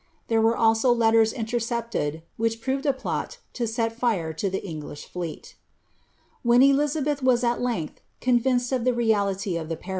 There were also letters iniercepied ivhich proved a ploi lu hi lire lo ihe F.nelish fleel.' When Elizj^belh was at Icnsih convinced of the reality of the per.